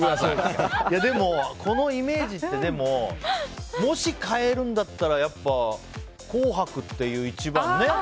でも、このイメージってもし変えるんだったら「紅白」という、一番ね。